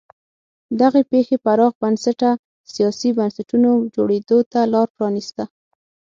دغې پېښې پراخ بنسټه سیاسي بنسټونو جوړېدو ته لار پرانیسته.